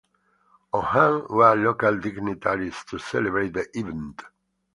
On hand were local dignitaries to celebrate the event.